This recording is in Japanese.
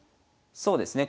そうですね